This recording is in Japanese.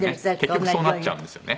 結局そうなっちゃうんですよね。